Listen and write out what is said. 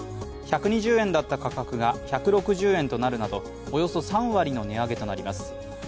１２０円だった価格が１６０円となるなどおよそ３割の値上げとなります。